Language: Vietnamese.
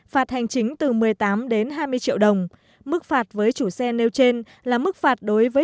phạt hành chính từ một mươi tám đến hai mươi triệu đồng mức phạt với chủ xe nêu trên là mức phạt đối với